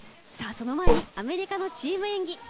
その前にアメリカのチーム演技